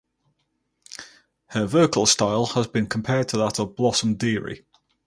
Her vocal style has been compared to that of Blossom Dearie.